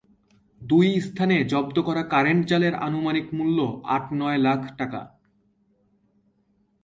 দুই স্থানে জব্দ করা কারেন্ট জালের আনুমানিক মূল্য আট-নয় লাখ টাকা।